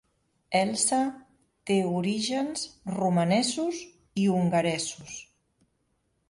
Elsa té orígens romanesos i hongaresos.